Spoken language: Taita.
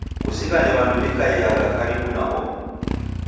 Kuzighane w'andu wi'kaiagha karibu na oho